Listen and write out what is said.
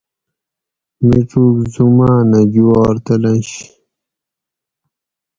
مِڄوگ زُمانہ جوار تلنش